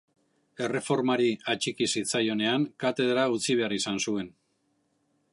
Erreformari atxiki zitzaionean katedra utzi behar izan zuen.